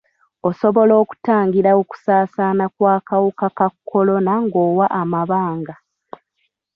Osobola okutangira okusaasaana kw'akawuka ka kolona ng'owa amabanga.